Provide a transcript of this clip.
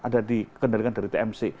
ada dikendalikan dari tmc